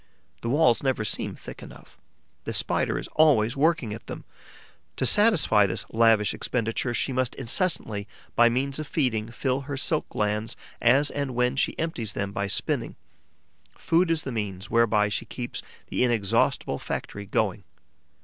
The walls never seem thick enough; the Spider is always working at them. To satisfy this lavish expenditure, she must incessantly, by means of feeding, fill her silk glands as and when she empties them by spinning. Food is the means whereby she keeps the inexhaustible factory going.